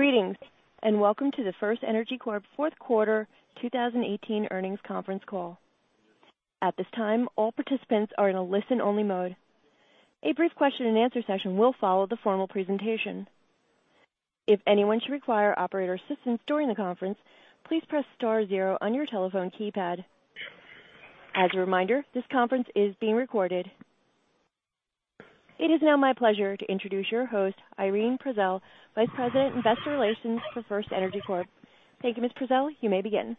Greetings. Welcome to the FirstEnergy Corp fourth quarter 2018 earnings conference call. At this time, all participants are in a listen-only mode. A brief question and answer session will follow the formal presentation. If anyone should require operator assistance during the conference, please press star zero on your telephone keypad. As a reminder, this conference is being recorded. It is now my pleasure to introduce your host, Irene Prezelj, Vice President, Investor Relations for FirstEnergy Corp. Thank you, Ms. Prezelj. You may begin.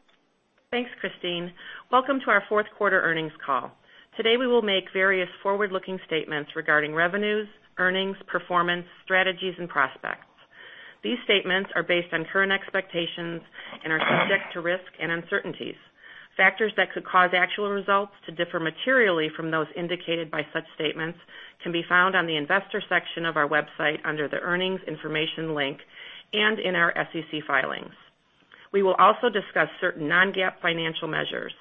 Thanks, Christine. Welcome to our fourth quarter earnings call. Today, we will make various forward-looking statements regarding revenues, earnings, performance, strategies, and prospects. These statements are based on current expectations and are subject to risk and uncertainties. Factors that could cause actual results to differ materially from those indicated by such statements can be found on the investor section of our website under the earnings information link and in our SEC filings. We will also discuss certain non-GAAP financial measures.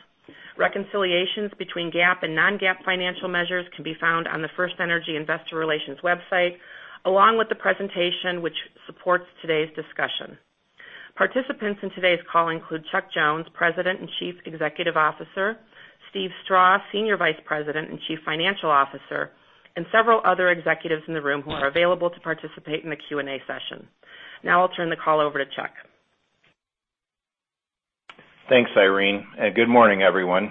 Reconciliations between GAAP and non-GAAP financial measures can be found on the FirstEnergy investor relations website, along with the presentation which supports today's discussion. Participants in today's call include Chuck Jones, President and Chief Executive Officer, Steve Strah, Senior Vice President and Chief Financial Officer, and several other executives in the room who are available to participate in the Q&A session. I'll turn the call over to Chuck. Thanks, Irene. Good morning, everyone.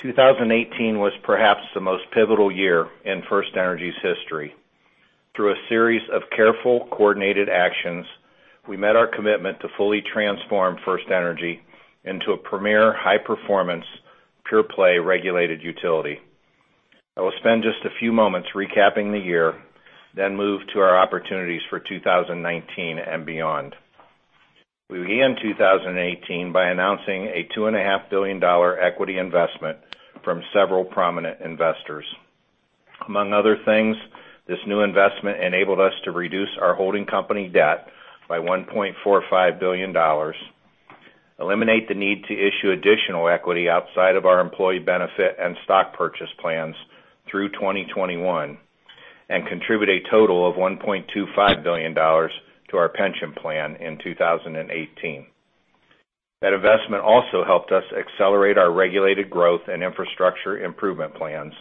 2018 was perhaps the most pivotal year in FirstEnergy's history. Through a series of careful, coordinated actions, we met our commitment to fully transform FirstEnergy into a premier high-performance, pure-play regulated utility. I will spend just a few moments recapping the year, then move to our opportunities for 2019 and beyond. We began 2018 by announcing a $2.5 billion equity investment from several prominent investors. Among other things, this new investment enabled us to reduce our holding company debt by $1.45 billion, eliminate the need to issue additional equity outside of our employee benefit and stock purchase plans through 2021, and contribute a total of $1.25 billion to our pension plan in 2018. That investment also helped us accelerate our regulated growth and infrastructure improvement plans,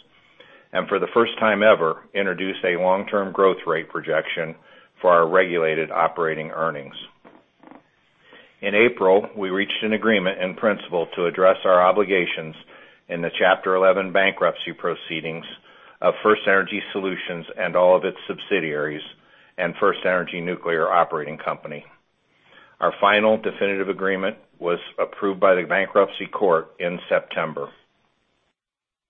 and for the first time ever, introduce a long-term growth rate projection for our regulated operating earnings. In April, we reached an agreement in principle to address our obligations in the Chapter 11 bankruptcy proceedings of FirstEnergy Solutions and all of its subsidiaries, and FirstEnergy Nuclear Operating Company. Our final definitive agreement was approved by the bankruptcy court in September.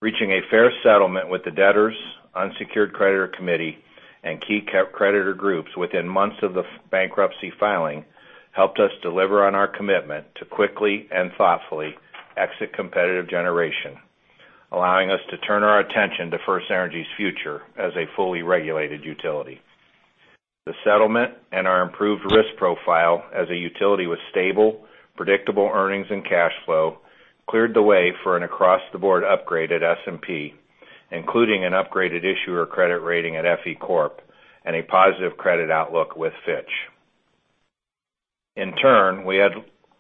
Reaching a fair settlement with the debtors, unsecured creditor committee, and key creditor groups within months of the bankruptcy filing helped us deliver on our commitment to quickly and thoughtfully exit competitive generation, allowing us to turn our attention to FirstEnergy's future as a fully regulated utility. The settlement and our improved risk profile as a utility with stable, predictable earnings and cash flow cleared the way for an across-the-board upgrade at S&P, including an upgraded issuer credit rating at FE Corp and a positive credit outlook with Fitch. We had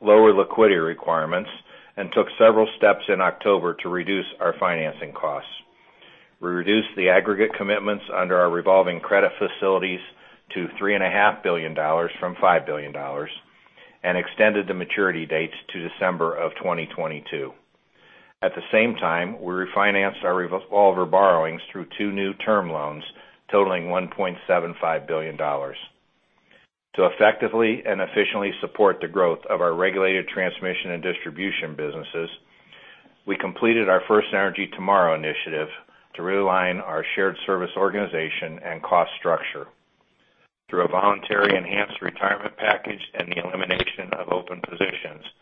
lower liquidity requirements and took several steps in October to reduce our financing costs. We reduced the aggregate commitments under our revolving credit facilities to $3.5 billion from $5 billion and extended the maturity dates to December of 2022. At the same time, we refinanced our revolver borrowings through two new term loans totaling $1.75 billion. To effectively and efficiently support the growth of our regulated transmission and distribution businesses, we completed our FirstEnergy Tomorrow initiative to realign our shared service organization and cost structure. Through a voluntary enhanced retirement package and the elimination of open positions, we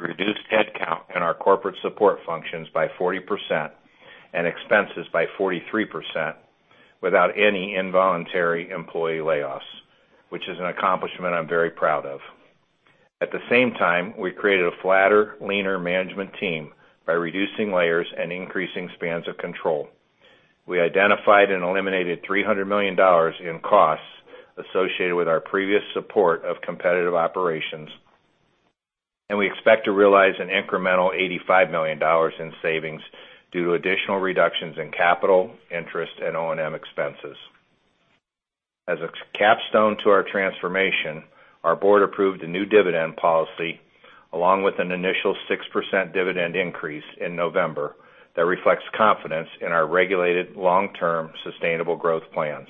reduced headcount in our corporate support functions by 40% and expenses by 43% without any involuntary employee layoffs, which is an accomplishment I'm very proud of. At the same time, we created a flatter, leaner management team by reducing layers and increasing spans of control. We identified and eliminated $300 million in costs associated with our previous support of competitive operations, we expect to realize an incremental $85 million in savings due to additional reductions in capital, interest, and O&M expenses. As a capstone to our transformation, our board approved a new dividend policy, along with an initial 6% dividend increase in November that reflects confidence in our regulated long-term sustainable growth plans.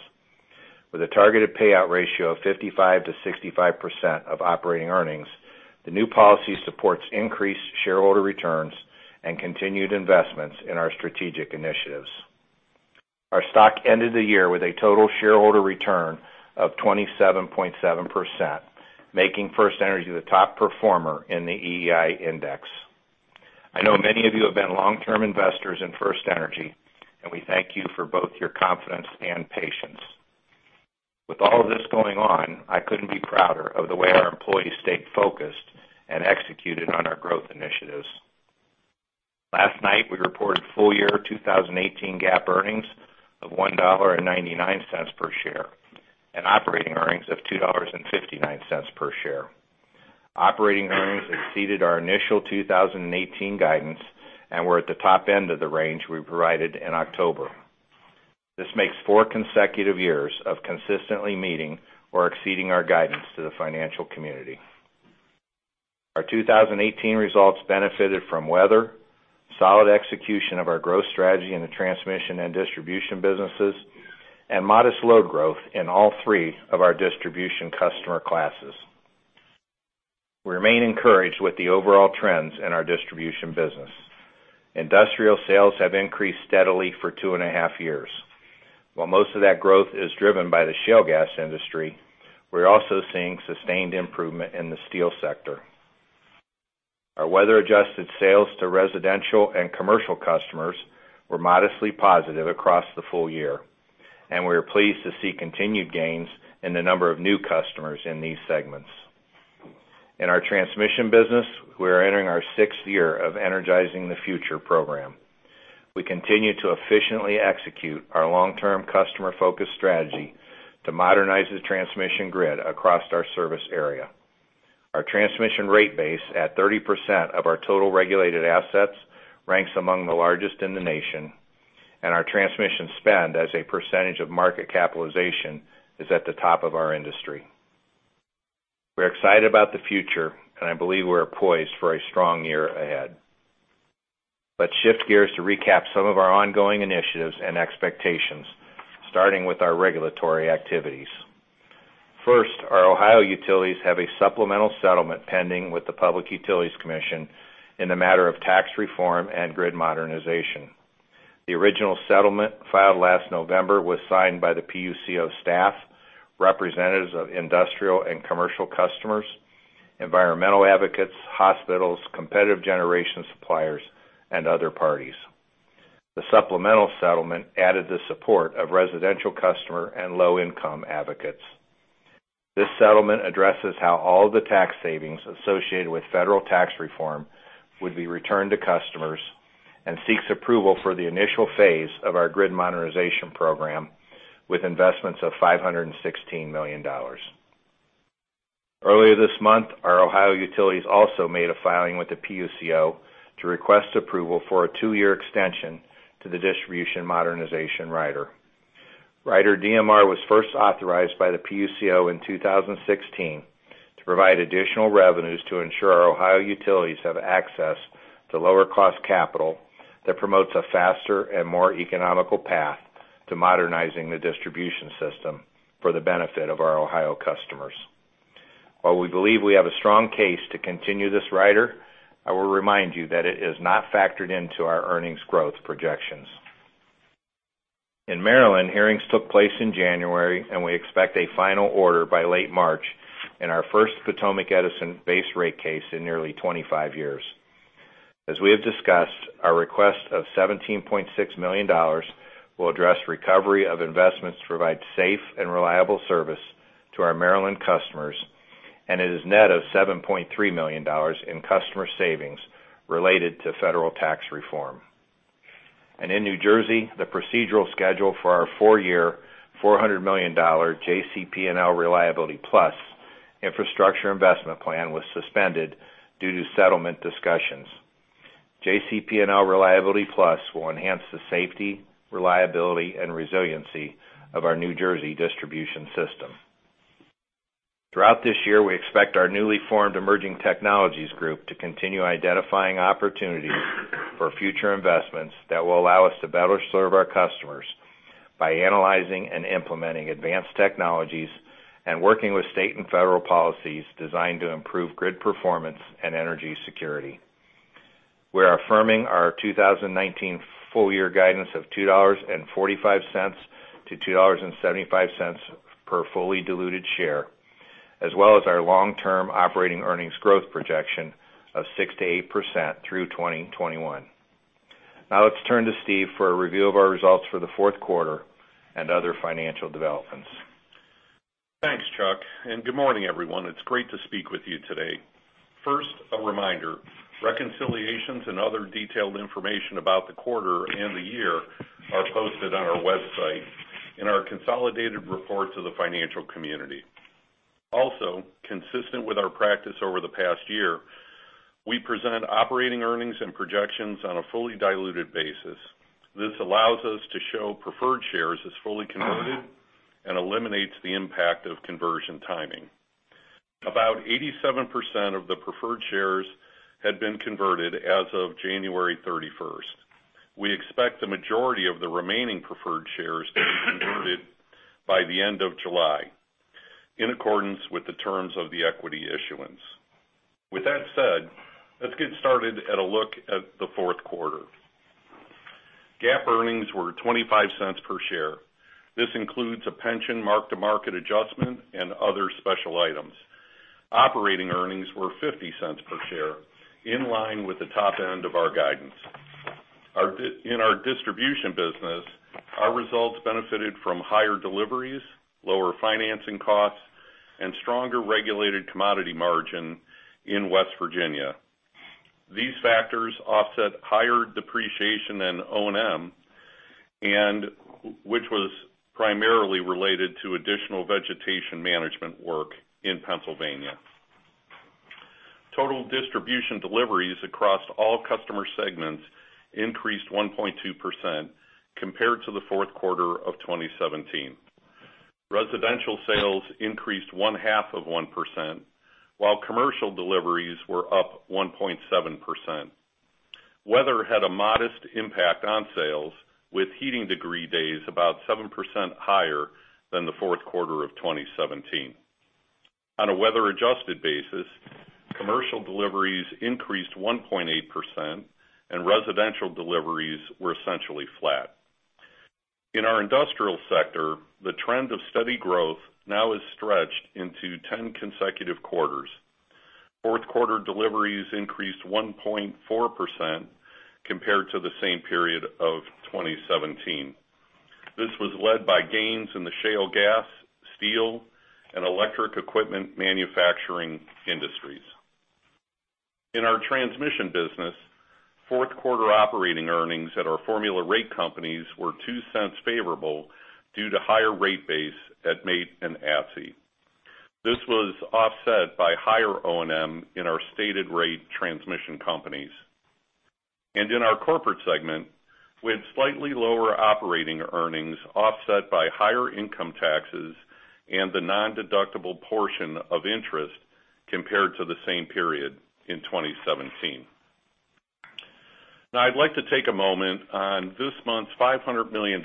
With a targeted payout ratio of 55%-65% of operating earnings, the new policy supports increased shareholder returns and continued investments in our strategic initiatives. Our stock ended the year with a total shareholder return of 27.7%, making FirstEnergy the top performer in the EEI Index. I know many of you have been long-term investors in FirstEnergy, we thank you for both your confidence and patience. With all of this going on, I couldn't be prouder of the way our employees stayed focused and executed on our growth initiatives. Last night, we reported full-year 2018 GAAP earnings of $1.99 per share and operating earnings of $2.59 per share. Operating earnings exceeded our initial 2018 guidance and were at the top end of the range we provided in October. This makes four consecutive years of consistently meeting or exceeding our guidance to the financial community. Our 2018 results benefited from weather, solid execution of our growth strategy in the transmission and distribution businesses, and modest load growth in all 3 of our distribution customer classes. We remain encouraged with the overall trends in our distribution business. Industrial sales have increased steadily for two and a half years. While most of that growth is driven by the shale gas industry, we're also seeing sustained improvement in the steel sector. Our weather-adjusted sales to residential and commercial customers were modestly positive across the full year, we are pleased to see continued gains in the number of new customers in these segments. In our transmission business, we are entering our sixth year of Energizing the Future Program. We continue to efficiently execute our long-term, customer-focused strategy to modernize the transmission grid across our service area. Our transmission rate base, at 30% of our total regulated assets, ranks among the largest in the nation, our transmission spend as a percentage of market capitalization is at the top of our industry. We're excited about the future, I believe we are poised for a strong year ahead. Let's shift gears to recap some of our ongoing initiatives and expectations, starting with our regulatory activities. First, our Ohio utilities have a supplemental settlement pending with the Public Utilities Commission in the matter of tax reform and grid modernization. The original settlement, filed last November, was signed by the PUCO staff, representatives of industrial and commercial customers, environmental advocates, hospitals, competitive generation suppliers, and other parties. The supplemental settlement added the support of residential customer and low-income advocates. This settlement addresses how all the tax savings associated with federal tax reform would be returned to customers and seeks approval for the initial phase of our grid modernization program with investments of $516 million. Earlier this month, our Ohio utilities also made a filing with the PUCO to request approval for a two-year extension to the Distribution Modernization Rider. Rider DMR was first authorized by the PUCO in 2016 to provide additional revenues to ensure our Ohio utilities have access to lower-cost capital that promotes a faster and more economical path to modernizing the distribution system for the benefit of our Ohio customers. While we believe we have a strong case to continue this rider, I will remind you that it is not factored into our earnings growth projections. In Maryland, hearings took place in January, we expect a final order by late March in our first Potomac Edison base rate case in nearly 25 years. As we have discussed, our request of $17.6 million will address recovery of investments to provide safe and reliable service to our Maryland customers, it is net of $7.3 million in customer savings related to federal tax reform. In New Jersey, the procedural schedule for our four-year, $400 million JCP&L Reliability Plus infrastructure investment plan was suspended due to settlement discussions. JCP&L Reliability Plus will enhance the safety, reliability, and resiliency of our New Jersey distribution system. Throughout this year, we expect our newly formed emerging technologies group to continue identifying opportunities for future investments that will allow us to better serve our customers by analyzing and implementing advanced technologies and working with state and federal policies designed to improve grid performance and energy security. We're affirming our 2019 full-year guidance of $2.45-$2.75 per fully diluted share, as well as our long-term operating earnings growth projection of 6%-8% through 2021. Now let's turn to Steve for a review of our results for the fourth quarter and other financial developments. Thanks, Chuck, good morning, everyone. It's great to speak with you today. First, a reminder, reconciliations and other detailed information about the quarter and the year are posted on our website in our consolidated report to the financial community. Also, consistent with our practice over the past year, we present operating earnings and projections on a fully diluted basis. This allows us to show preferred shares as fully converted and eliminates the impact of conversion timing. About 87% of the preferred shares had been converted as of January 31st. We expect the majority of the remaining preferred shares to be converted by the end of July, in accordance with the terms of the equity issuance. With that said, let's get started at a look at the fourth quarter. GAAP earnings were $0.25 per share. This includes a pension mark-to-market adjustment and other special items. Operating earnings were $0.50 per share, in line with the top end of our guidance. In our distribution business, our results benefited from higher deliveries, lower financing costs, and stronger regulated commodity margin in West Virginia. These factors offset higher depreciation in O&M, which was primarily related to additional vegetation management work in Pennsylvania. Total distribution deliveries across all customer segments increased 1.2% compared to the fourth quarter of 2017. Residential sales increased one-half of 1%, while commercial deliveries were up 1.7%. Weather had a modest impact on sales, with heating degree days about 7% higher than the fourth quarter of 2017. On a weather-adjusted basis, commercial deliveries increased 1.8%, and residential deliveries were essentially flat. In our industrial sector, the trend of steady growth now is stretched into 10 consecutive quarters. Fourth quarter deliveries increased 1.4% compared to the same period of 2017. This was led by gains in the shale gas, steel, and electric equipment manufacturing industries. In our transmission business, fourth quarter operating earnings at our formula rate companies were $0.02 favorable due to higher rate base at MAIT and ATSI. This was offset by higher O&M in our stated rate transmission companies. In our corporate segment, we had slightly lower operating earnings offset by higher income taxes and the nondeductible portion of interest compared to the same period in 2017. Now I'd like to take a moment on this month's $500 million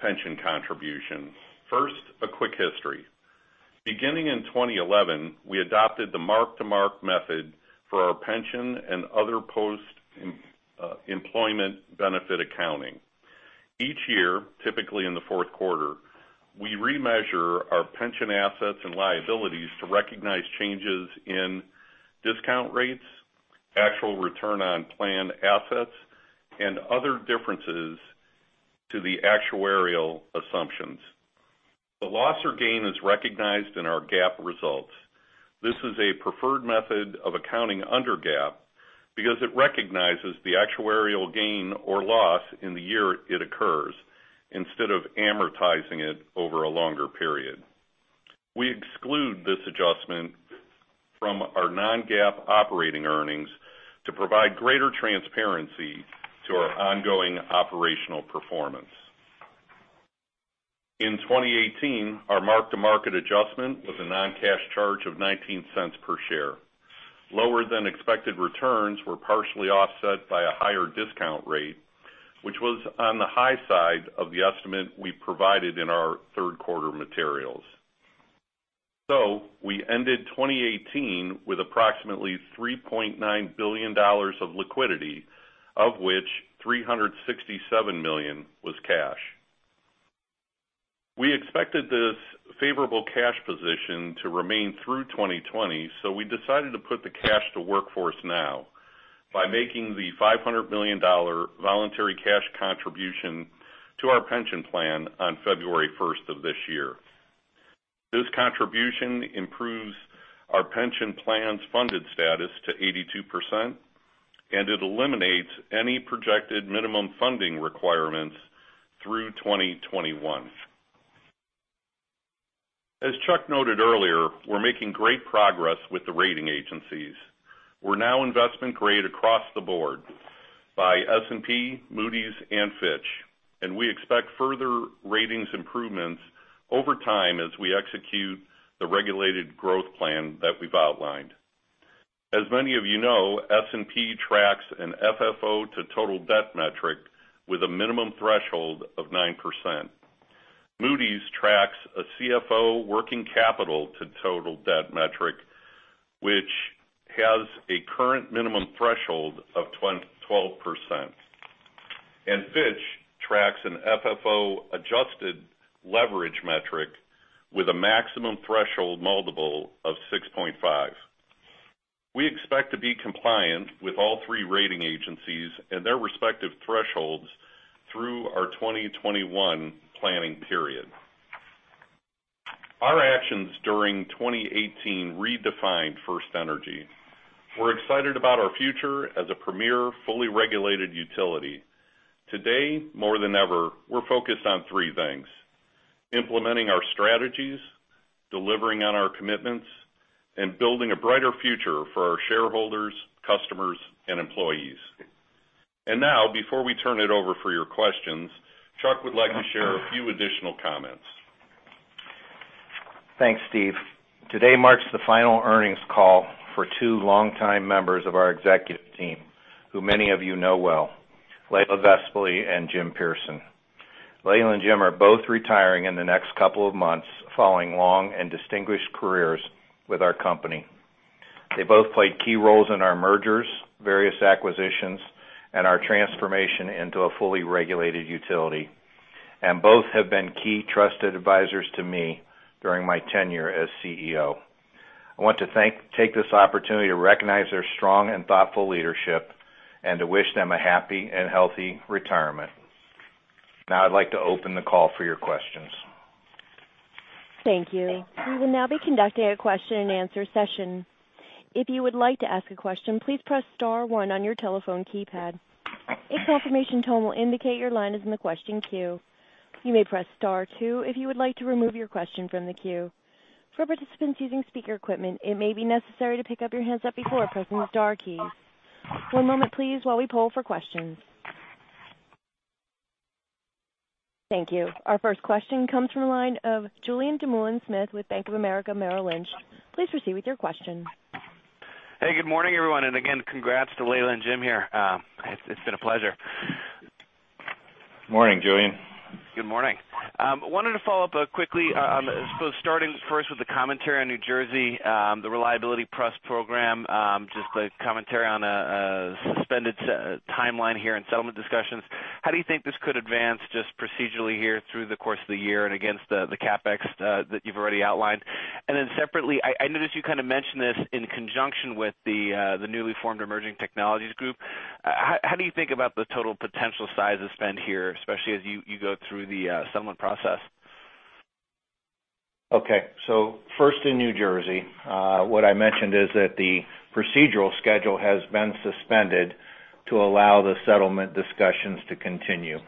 pension contribution. First, a quick history. Beginning in 2011, we adopted the mark-to-market method for our pension and other post-employment benefit accounting. Each year, typically in the fourth quarter, we remeasure our pension assets and liabilities to recognize changes in discount rates, actual return on plan assets, and other differences to the actuarial assumptions. The loss or gain is recognized in our GAAP results. This is a preferred method of accounting under GAAP because it recognizes the actuarial gain or loss in the year it occurs, instead of amortizing it over a longer period. We exclude this adjustment from our non-GAAP operating earnings to provide greater transparency to our ongoing operational performance. In 2018, our mark-to-market adjustment was a non-cash charge of $0.19 per share. Lower than expected returns were partially offset by a higher discount rate, which was on the high side of the estimate we provided in our third-quarter materials. We ended 2018 with approximately $3.9 billion of liquidity, of which $367 million was cash. We expected this favorable cash position to remain through 2020. We decided to put the cash to work for us now by making the $500 million voluntary cash contribution to our pension plan on February 1st of this year. This contribution improves our pension plan's funded status to 82%, and it eliminates any projected minimum funding requirements through 2021. As Chuck noted earlier, we're making great progress with the rating agencies. We're now investment grade across the board by S&P, Moody's, and Fitch, and we expect further ratings improvements over time as we execute the regulated growth plan that we've outlined. As many of you know, S&P tracks an FFO to total debt metric with a minimum threshold of 9%. Moody's tracks a CFO working capital to total debt metric, which has a current minimum threshold of 12%. Fitch tracks an FFO-adjusted leverage metric with a maximum threshold multiple of 6.5. We expect to be compliant with all three rating agencies and their respective thresholds through our 2021 planning period. Our actions during 2018 redefined FirstEnergy. We're excited about our future as a premier, fully regulated utility. Today, more than ever, we're focused on three things: implementing our strategies, delivering on our commitments, and building a brighter future for our shareholders, customers, and employees. Now, before we turn it over for your questions, Chuck would like to share a few additional comments. Thanks, Steve. Today marks the final earnings call for two longtime members of our executive team, who many of you know well, Leila Vespoli and Jim Pearson. Leila and Jim are both retiring in the next couple of months, following long and distinguished careers with our company. They both played key roles in our mergers, various acquisitions, and our transformation into a fully regulated utility, and both have been key trusted advisors to me during my tenure as CEO. I want to take this opportunity to recognize their strong and thoughtful leadership and to wish them a happy and healthy retirement. Now I'd like to open the call for your questions. Thank you. We will now be conducting a question and answer session. If you would like to ask a question, please press star one on your telephone keypad. A confirmation tone will indicate your line is in the question queue. You may press star two if you would like to remove your question from the queue. For participants using speaker equipment, it may be necessary to pick up your handset before pressing the star key. One moment please while we poll for questions. Thank you. Our first question comes from the line of Julien Dumoulin-Smith with Bank of America Merrill Lynch. Please proceed with your question. Hey, good morning, everyone. Again, congrats to Leila and Jim here. It's been a pleasure. Morning, Julien. Good morning. Wanted to follow up quickly, I suppose starting first with the commentary on New Jersey, the reliability trust program, just the commentary on a suspended timeline here and settlement discussions. How do you think this could advance just procedurally here through the course of the year and against the CapEx that you've already outlined? Separately, I noticed you kind of mentioned this in conjunction with the newly formed emerging technologies group. How do you think about the total potential size of spend here, especially as you go through the settlement process? Okay. First in New Jersey, what I mentioned is that the procedural schedule has been suspended to allow the settlement discussions to continue.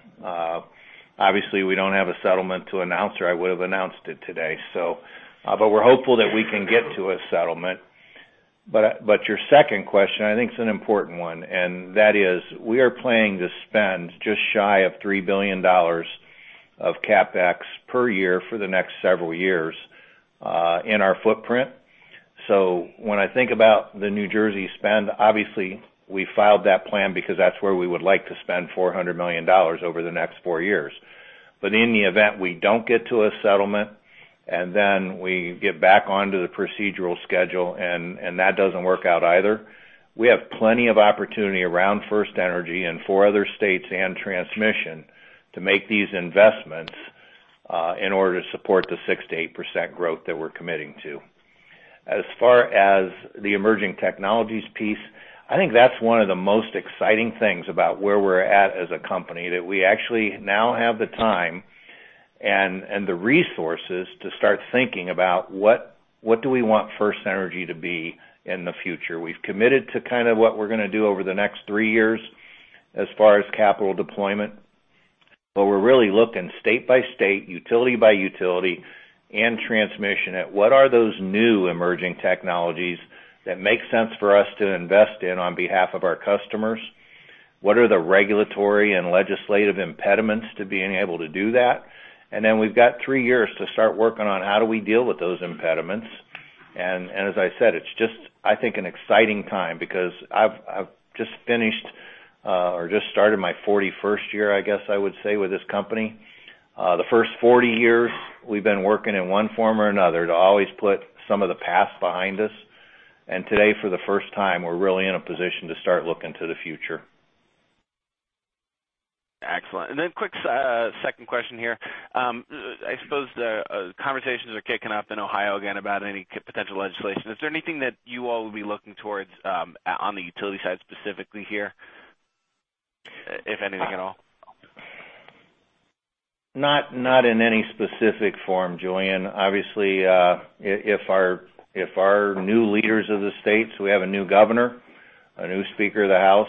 Obviously, we don't have a settlement to announce or I would've announced it today. We're hopeful that we can get to a settlement. Your second question, I think, is an important one, and that is we are planning to spend just shy of $3 billion of CapEx per year for the next several years in our footprint. When I think about the New Jersey spend, obviously we filed that plan because that's where we would like to spend $400 million over the next four years. In the event we don't get to a settlement, we get back onto the procedural schedule, and that doesn't work out either, we have plenty of opportunity around FirstEnergy and four other states and transmission to make these investments in order to support the 6%-8% growth that we're committing to. As far as the emerging technologies piece, I think that's one of the most exciting things about where we're at as a company, that we actually now have the time and the resources to start thinking about what do we want FirstEnergy to be in the future. We've committed to kind of what we're going to do over the next three years as far as capital deployment. We're really looking state by state, utility by utility and transmission at what are those new emerging technologies that make sense for us to invest in on behalf of our customers? What are the regulatory and legislative impediments to being able to do that? We've got three years to start working on how do we deal with those impediments. As I said, it's just, I think, an exciting time because I've just started my 41st year, I guess I would say, with this company. The first 40 years, we've been working in one form or another to always put some of the past behind us. Today, for the first time, we're really in a position to start looking to the future. Excellent. Quick second question here. I suppose the conversations are kicking up in Ohio again about any potential legislation. Is there anything that you all will be looking towards on the utility side specifically here, if anything at all? Not in any specific form, Julien. Obviously, if our new leaders of the states, we have a new governor, a new speaker of the house,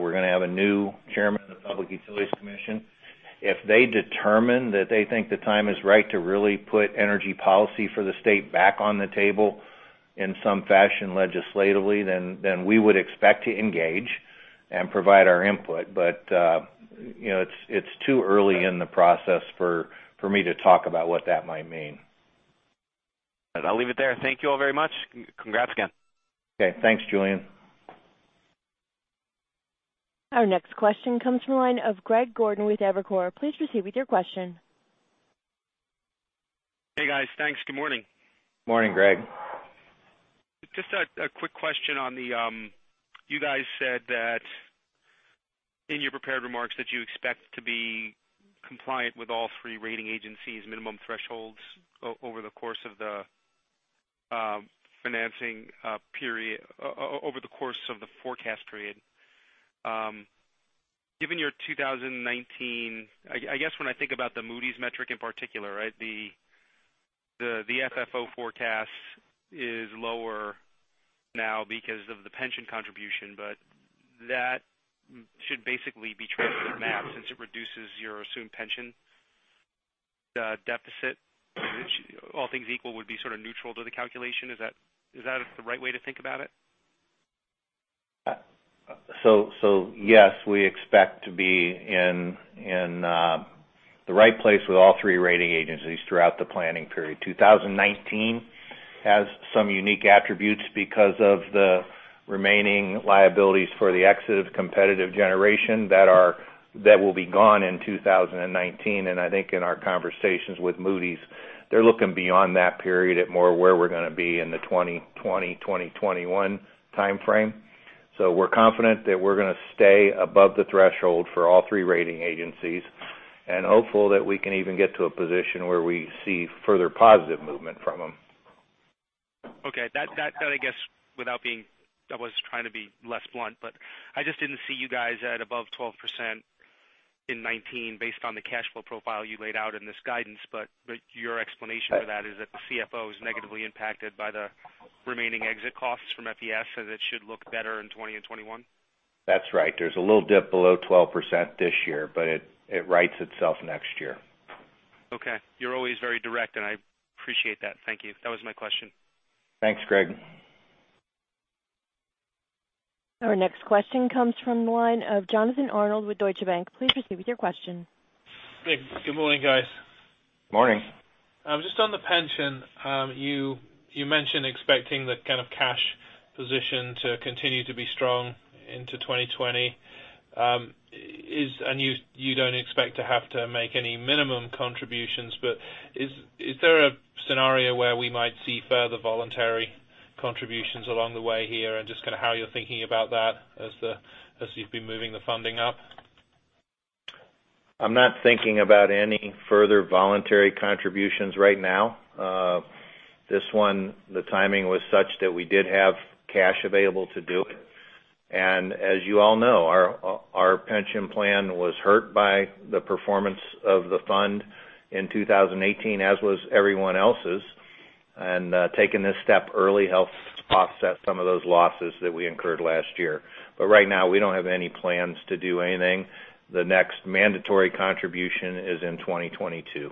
we're going to have a new chairman of the Public Utilities Commission. If they determine that they think the time is right to really put energy policy for the state back on the table in some fashion legislatively, then we would expect to engage and provide our input. It's too early in the process for me to talk about what that might mean. I'll leave it there. Thank you all very much. Congrats again. Okay. Thanks, Julien. Our next question comes from the line of Greg Gordon with Evercore. Please proceed with your question. Hey, guys. Thanks. Good morning. Morning, Greg. Just a quick question. You guys said that in your prepared remarks, that you expect to be compliant with all three rating agencies' minimum thresholds over the course of the forecast period. Given your 2019, I guess when I think about the Moody's metric in particular, the FFO forecast is lower now because of the pension contribution, but that should basically be trended to max since it reduces your assumed pension deficit, which all things equal, would be sort of neutral to the calculation. Is that the right way to think about it? Yes, we expect to be in the right place with all three rating agencies throughout the planning period. 2019 has some unique attributes because of the remaining liabilities for the exit of competitive generation that will be gone in 2019. I think in our conversations with Moody's, they're looking beyond that period at more where we're going to be in the 2020, 2021 timeframe. We're confident that we're going to stay above the threshold for all three rating agencies. Hopeful that we can even get to a position where we see further positive movement from them. Okay. That, I guess, I was trying to be less blunt, but I just didn't see you guys at above 12% in 2019 based on the cash flow profile you laid out in this guidance. Your explanation for that is that the CFO is negatively impacted by the remaining exit costs from FES, so that it should look better in 2020 and 2021? That's right. There's a little dip below 12% this year, but it rights itself next year. Okay. You're always very direct, and I appreciate that. Thank you. That was my question. Thanks, Greg. Our next question comes from the line of Jonathan Arnold with Deutsche Bank. Please proceed with your question. Good morning, guys. Morning. Just on the pension. You mentioned expecting the kind of cash position to continue to be strong into 2020. You don't expect to have to make any minimum contributions, but is there a scenario where we might see further voluntary contributions along the way here and just kind of how you're thinking about that as you've been moving the funding up? I'm not thinking about any further voluntary contributions right now. This one, the timing was such that we did have cash available to do it. As you all know, our pension plan was hurt by the performance of the fund in 2018, as was everyone else's. Taking this step early helped offset some of those losses that we incurred last year. Right now, we don't have any plans to do anything. The next mandatory contribution is in 2022.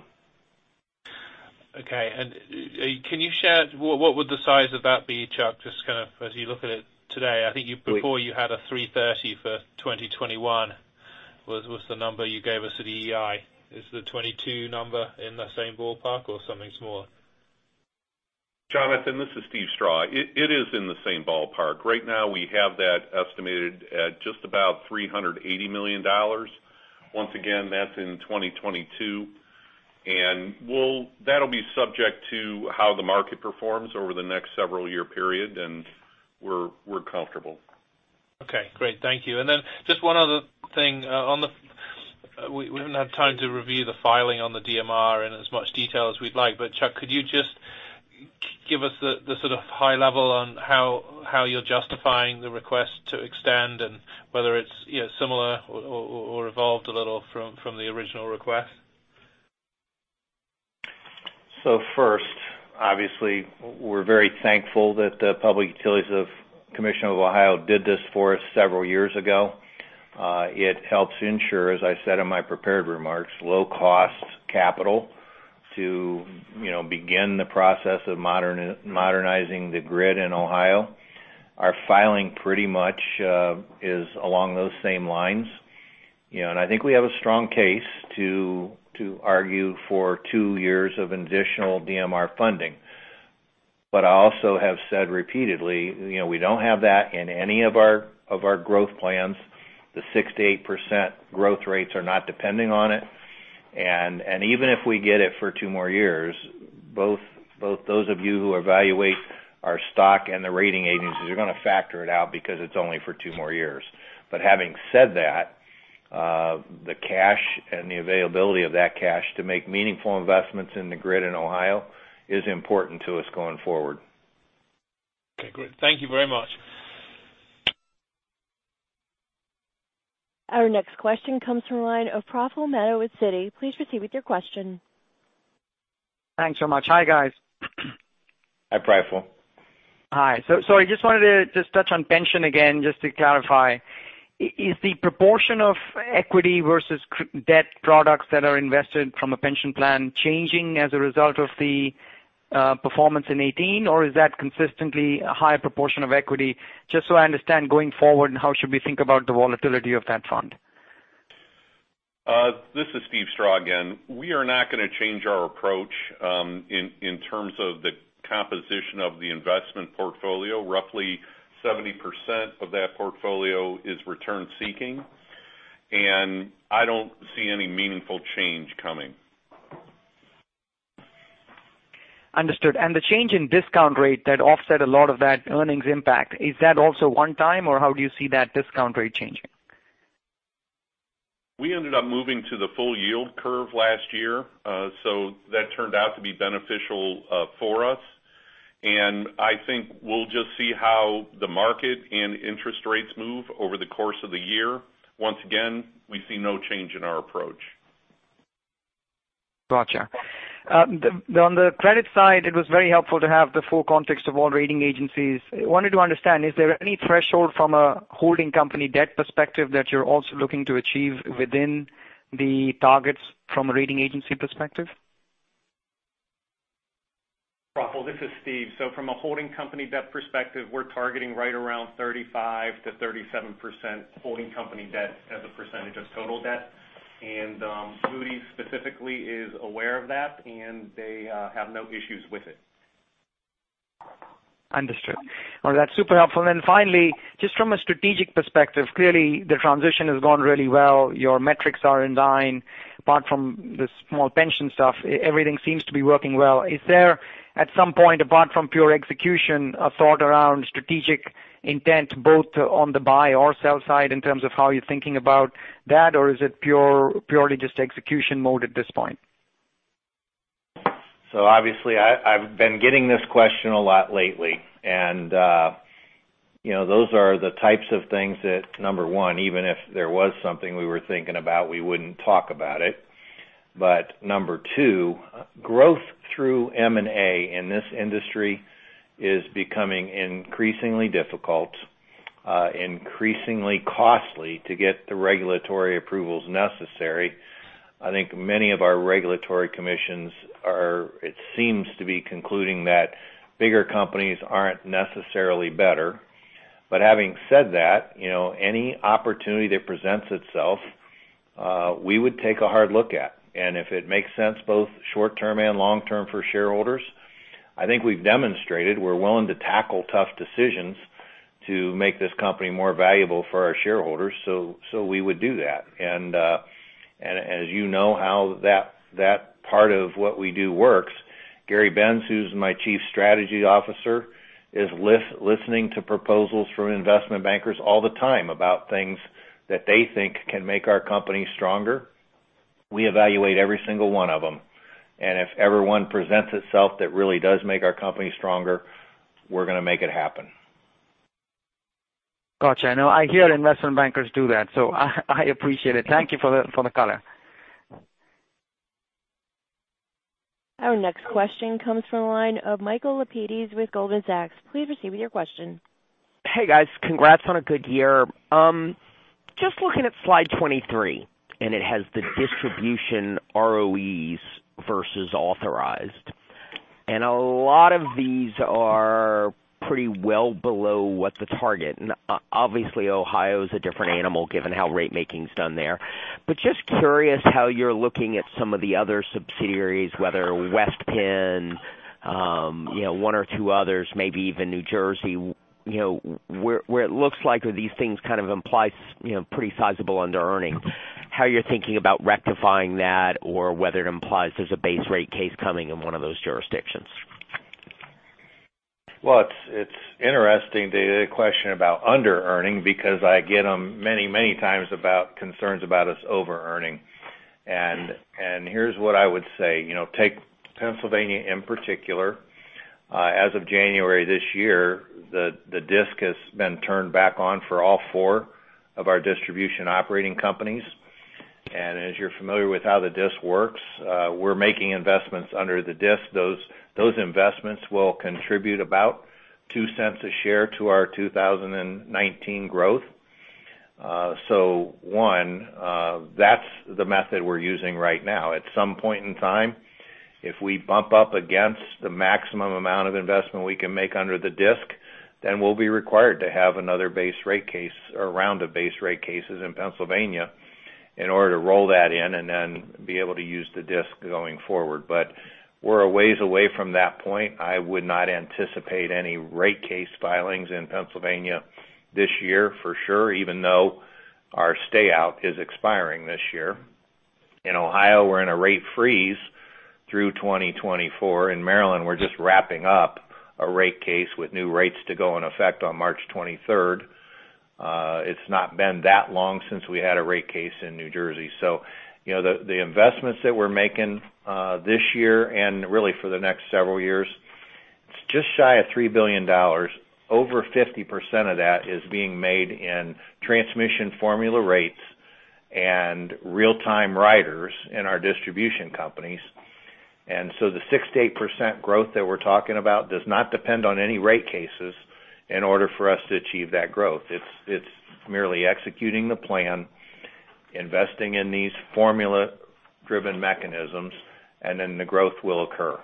Okay. Can you share, what would the size of that be, Chuck, just kind of as you look at it today? I think before you had a 330 for 2021, was the number you gave us at EEI. Is the 2022 number in the same ballpark or something smaller? Jonathan, this is Steve Strah. It is in the same ballpark. Right now, we have that estimated at just about $380 million. Once again, that's in 2022. That'll be subject to how the market performs over the next several year period, and we're comfortable. Okay, great. Thank you. Then just one other thing. We haven't had time to review the filing on the DMR in as much detail as we'd like. Chuck, could you just give us the sort of high level on how you're justifying the request to extend and whether it's similar or evolved a little from the original request? First, obviously, we're very thankful that the Public Utilities Commission of Ohio did this for us several years ago. It helps ensure, as I said in my prepared remarks, low-cost capital to begin the process of modernizing the grid in Ohio. Our filing pretty much is along those same lines. I think we have a strong case to argue for two years of additional DMR funding. I also have said repeatedly, we don't have that in any of our growth plans. The 6%-8% growth rates are not depending on it. Even if we get it for two more years, both those of you who evaluate our stock and the rating agencies are going to factor it out because it's only for two more years. Having said that, the cash and the availability of that cash to make meaningful investments in the grid in Ohio is important to us going forward. Okay, great. Thank you very much. Our next question comes from the line of Praful Mehta with Citi. Please proceed with your question. Thanks so much. Hi, guys. Hi, Praful. Hi. I just wanted to just touch on pension again, just to clarify. Is the proportion of equity versus debt products that are invested from a pension plan changing as a result of the performance in 2018? Or is that consistently a higher proportion of equity? Just so I understand going forward, and how should we think about the volatility of that fund? This is Steve Strah again. We are not going to change our approach in terms of the composition of the investment portfolio. Roughly 70% of that portfolio is return-seeking, and I don't see any meaningful change coming. Understood. The change in discount rate that offset a lot of that earnings impact, is that also one-time, or how do you see that discount rate changing? We ended up moving to the full yield curve last year. That turned out to be beneficial for us. I think we'll just see how the market and interest rates move over the course of the year. Once again, we see no change in our approach. Gotcha. On the credit side, it was very helpful to have the full context of all rating agencies. I wanted to understand, is there any threshold from a holding company debt perspective that you're also looking to achieve within the targets from a rating agency perspective? Praful, this is Steve. From a holding company debt perspective, we're targeting right around 35%-37% holding company debt as a percentage of total debt. Moody's specifically is aware of that, and they have no issues with it. Understood. Well, that's super helpful. Then finally, just from a strategic perspective, clearly the transition has gone really well. Your metrics are in line. Apart from the small pension stuff, everything seems to be working well. Is there, at some point, apart from pure execution, a thought around strategic intent, both on the buy or sell side in terms of how you're thinking about that? Or is it purely just execution mode at this point? Obviously, I've been getting this question a lot lately, those are the types of things that, number one, even if there was something we were thinking about, we wouldn't talk about it. Number two, growth through M&A in this industry is becoming increasingly difficult, increasingly costly to get the regulatory approvals necessary. I think many of our regulatory commissions are, it seems to be concluding that bigger companies aren't necessarily better. Having said that, any opportunity that presents itself, we would take a hard look at, and if it makes sense, both short-term and long-term for shareholders. I think we've demonstrated we're willing to tackle tough decisions to make this company more valuable for our shareholders, we would do that. As you know how that part of what we do works, Gary Benz, who's my Chief Strategy Officer, is listening to proposals from investment bankers all the time about things that they think can make our company stronger. We evaluate every single one of them, and if ever one presents itself that really does make our company stronger, we're going to make it happen. Got you. I know I hear investment bankers do that, so I appreciate it. Thank you for the color. Our next question comes from the line of Michael Lapides with Goldman Sachs. Please proceed with your question. Hey, guys. Congrats on a good year. Just looking at slide 23, it has the distribution ROEs versus authorized. A lot of these are pretty well below what the target. Obviously, Ohio is a different animal given how rate making's done there. Just curious how you're looking at some of the other subsidiaries, whether West Penn, one or two others, maybe even New Jersey, where it looks like these things kind of imply pretty sizable underearning. How you're thinking about rectifying that or whether it implies there's a base rate case coming in one of those jurisdictions? Well, it's interesting, the question about underearning, because I get them many times about concerns about us overearning. Here's what I would say. Take Pennsylvania in particular. As of January this year, the DSIC has been turned back on for all four of our distribution operating companies. As you're familiar with how the DSIC works, we're making investments under the DSIC. Those investments will contribute about $0.02 a share to our 2019 growth. One, that's the method we're using right now. At some point in time, if we bump up against the maximum amount of investment we can make under the DSIC, we'll be required to have another base rate case or round of base rate cases in Pennsylvania in order to roll that in and then be able to use the DSIC going forward. We're a ways away from that point. I would not anticipate any rate case filings in Pennsylvania this year for sure, even though our stay-out is expiring this year. In Ohio, we're in a rate freeze through 2024. In Maryland, we're just wrapping up a rate case with new rates to go in effect on March 23rd. It's not been that long since we had a rate case in New Jersey. The investments that we're making this year and really for the next several years, it's just shy of $3 billion. Over 50% of that is being made in transmission formula rates and real-time riders in our distribution companies. The 6%-8% growth that we're talking about does not depend on any rate cases in order for us to achieve that growth. It's merely executing the plan, investing in these formula-driven mechanisms, and then the growth will occur.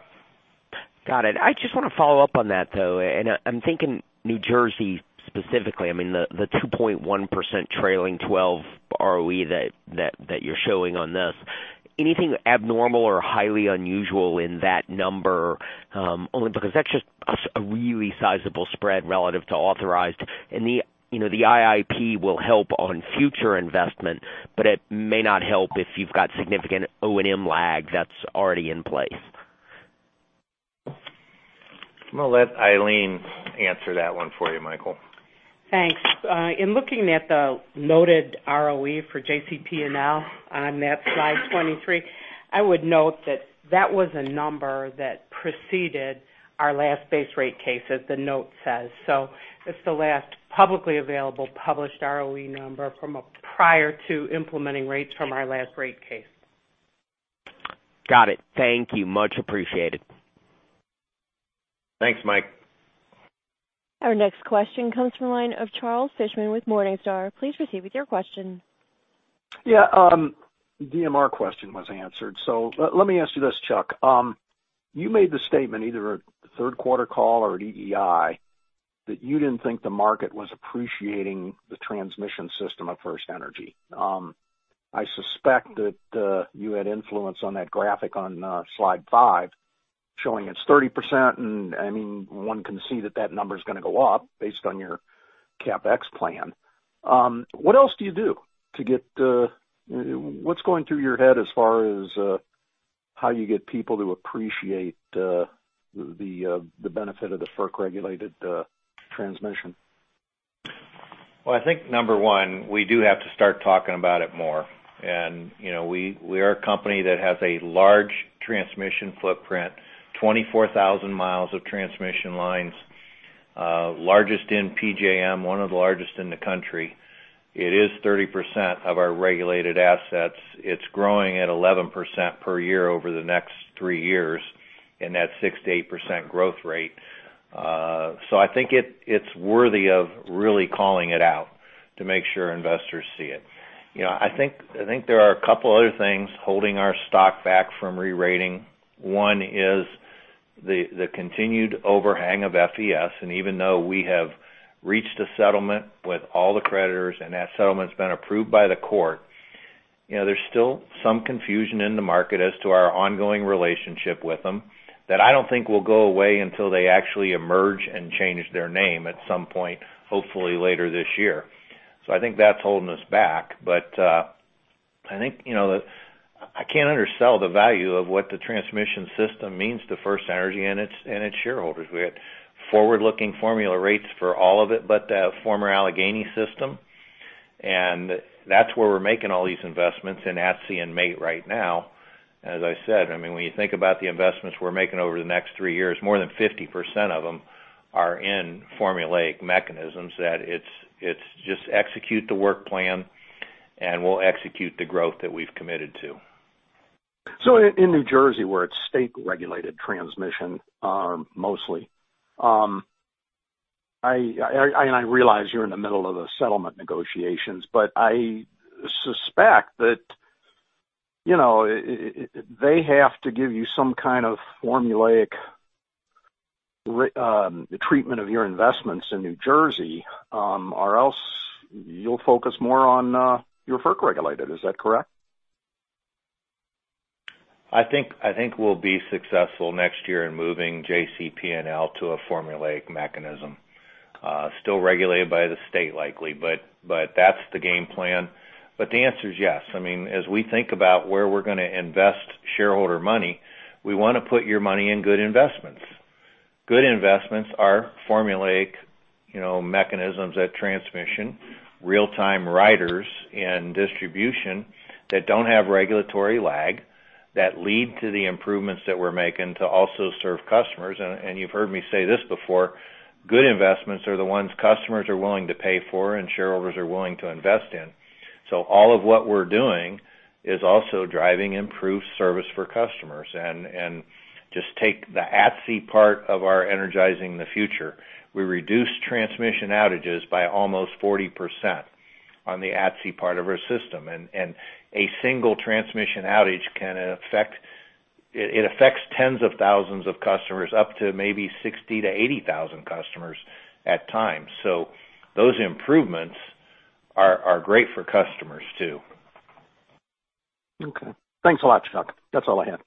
Got it. I just want to follow up on that, though. I'm thinking New Jersey specifically, I mean, the 2.1% trailing 12 ROE that you're showing on this. Anything abnormal or highly unusual in that number? Only because that's just a really sizable spread relative to authorized. The IIP will help on future investment, but it may not help if you've got significant O&M lag that's already in place. I'm going to let Eileen answer that one for you, Michael. Thanks. In looking at the noted ROE for JCP&L on that slide 23, I would note that that was a number that preceded our last base rate case, as the note says. It's the last publicly available published ROE number from a prior to implementing rates from our last rate case. Got it. Thank you. Much appreciated. Thanks, Mike. Our next question comes from the line of Charles Fishman with Morningstar. Please proceed with your question. DMR question was answered. Let me ask you this, Chuck. You made the statement either at third quarter call or at EEI that you didn't think the market was appreciating the transmission system of FirstEnergy. I suspect that you had influence on that graphic on slide five showing it's 30%, and one can see that that number's going to go up based on your CapEx plan. What else do you do? What's going through your head as far as how you get people to appreciate the benefit of the FERC-regulated transmission? I think number one, we do have to start talking about it more. We are a company that has a large transmission footprint, 24,000 miles of transmission lines, largest in PJM, one of the largest in the country. It is 30% of our regulated assets. It's growing at 11% per year over the next three years in that 6%-8% growth rate. I think it's worthy of really calling it out to make sure investors see it. I think there are a couple other things holding our stock back from re-rating. The continued overhang of FirstEnergy Solutions, and even though we have reached a settlement with all the creditors, and that settlement's been approved by the court, there's still some confusion in the market as to our ongoing relationship with them that I don't think will go away until they actually emerge and change their name at some point, hopefully later this year. I think that's holding us back. I can't undersell the value of what the transmission system means to FirstEnergy and its shareholders. We had forward-looking formula rates for all of it, but the former Allegheny system, and that's where we're making all these investments in American Transmission Systems, Inc. and Mid-Atlantic Interstate Transmission right now. As I said, when you think about the investments we're making over the next three years, more than 50% of them are in formulaic mechanisms that it's just execute the work plan, and we'll execute the growth that we've committed to. In New Jersey, where it's state-regulated transmission, mostly. I realize you're in the middle of the settlement negotiations, I suspect that they have to give you some kind of formulaic treatment of your investments in New Jersey, or else you'll focus more on your Federal Energy Regulatory Commission-regulated. Is that correct? I think we'll be successful next year in moving JCP&L to a formulaic mechanism. Still regulated by the state, likely, that's the game plan. The answer is yes. As we think about where we're going to invest shareholder money, we want to put your money in good investments. Good investments are formulaic mechanisms at transmission, real-time riders in distribution that don't have regulatory lag, that lead to the improvements that we're making to also serve customers. You've heard me say this before, good investments are the ones customers are willing to pay for and shareholders are willing to invest in. All of what we're doing is also driving improved service for customers and just take the ATSI part of our Energizing the Future. We reduced transmission outages by almost 40% on the ATSI part of our system. A single transmission outage can affect tens of thousands of customers, up to maybe 60,000 to 80,000 customers at times. Those improvements are great for customers, too. Okay. Thanks a lot, Chuck. That's all I had.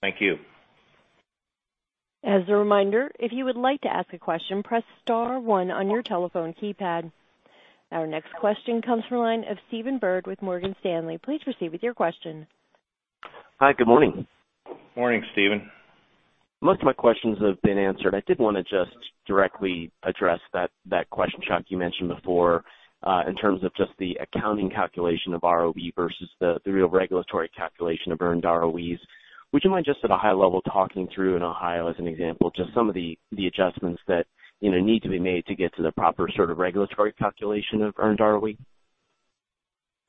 Thank you. As a reminder, if you would like to ask a question, press star one on your telephone keypad. Our next question comes from the line of Stephen Byrd with Morgan Stanley. Please proceed with your question. Hi. Good morning. Morning, Stephen. Most of my questions have been answered. I did want to just directly address that question, Chuck, you mentioned before, in terms of just the accounting calculation of ROE versus the real regulatory calculation of earned ROEs. Would you mind just at a high level, talking through, in Ohio as an example, just some of the adjustments that need to be made to get to the proper sort of regulatory calculation of earned ROE?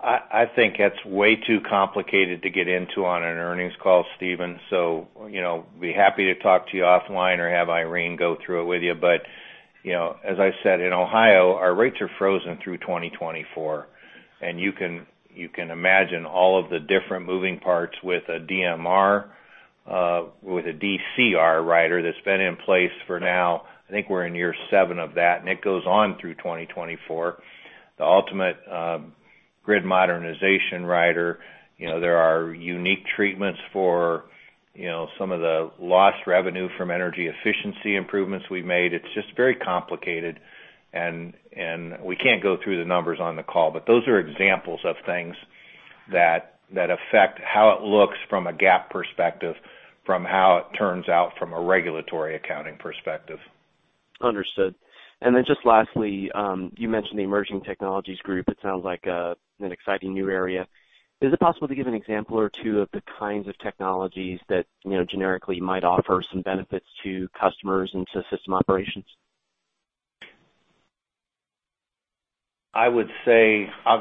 I think that's way too complicated to get into on an earnings call, Stephen. Be happy to talk to you offline or have Irene go through it with you. As I said, in Ohio, our rates are frozen through 2024, you can imagine all of the different moving parts with a DMR, with a DCR rider that's been in place for now, I think we're in year seven of that, and it goes on through 2024. The ultimate grid modernization rider. There are unique treatments for some of the lost revenue from energy efficiency improvements we've made. It's just very complicated, and we can't go through the numbers on the call, but those are examples of things that affect how it looks from a GAAP perspective, from how it turns out from a regulatory accounting perspective. Understood. Then just lastly, you mentioned the emerging technologies group. It sounds like an exciting new area. Is it possible to give an example or two of the kinds of technologies that generically might offer some benefits to customers and to system operations? I'll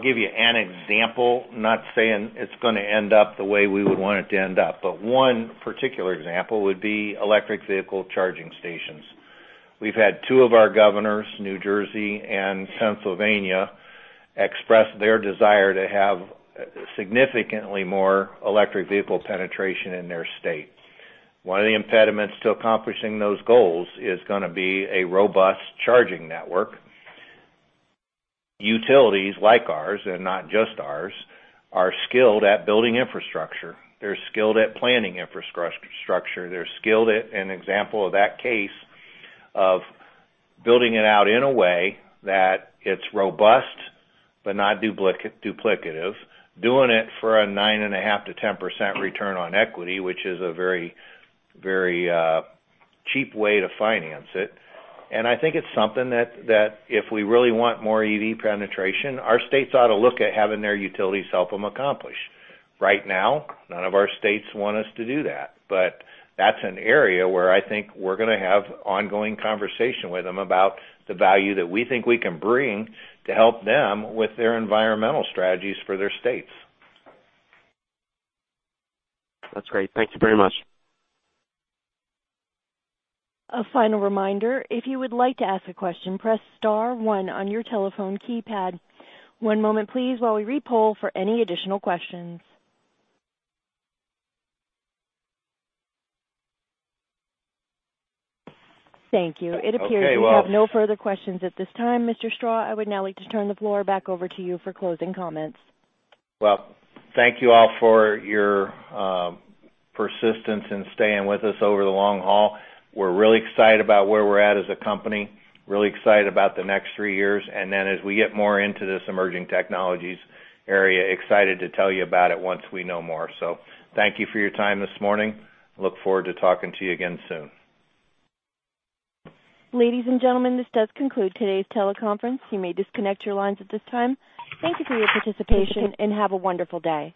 give you an example. Not saying it's going to end up the way we would want it to end up, but one particular example would be electric vehicle charging stations. We've had two of our governors, New Jersey and Pennsylvania, express their desire to have significantly more electric vehicle penetration in their state. One of the impediments to accomplishing those goals is going to be a robust charging network. Utilities like ours, and not just ours, are skilled at building infrastructure. They're skilled at planning infrastructure. They're skilled at, an example of that case, of building it out in a way that it's robust but not duplicative, doing it for a nine and a half to 10% return on equity, which is a very cheap way to finance it. I think it's something that if we really want more EV penetration, our states ought to look at having their utilities help them accomplish. Right now, none of our states want us to do that, but that's an area where I think we're going to have ongoing conversation with them about the value that we think we can bring to help them with their environmental strategies for their states. That's great. Thank you very much. A final reminder, if you would like to ask a question, press star one on your telephone keypad. One moment please while we re-poll for any additional questions. Thank you. Okay. It appears we have no further questions at this time. Mr. Strah, I would now like to turn the floor back over to you for closing comments. Thank you all for your persistence in staying with us over the long haul. We're really excited about where we're at as a company, really excited about the next three years, and then as we get more into this emerging technologies area, excited to tell you about it once we know more. Thank you for your time this morning. Look forward to talking to you again soon. Ladies and gentlemen, this does conclude today's teleconference. You may disconnect your lines at this time. Thank you for your participation, and have a wonderful day.